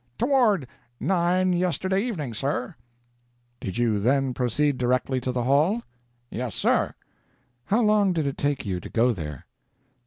"Toward nine yesterday evening, sir." "Did you then proceed directly to the hall?" "Yes, sir." "How long did it take you to go there?"